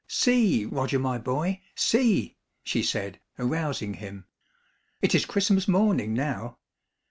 "See! Roger, my boy, see!" she said, arousing him. "It is Christmas morning now!